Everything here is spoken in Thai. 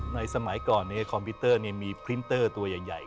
สมัยก่อนในคอมพิวเตอร์มีพรินเตอร์ตัวใหญ่